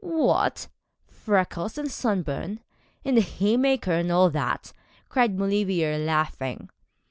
'What! freckles and sunburn, and the haymaker, and all that?' cried Maulevrier, laughing.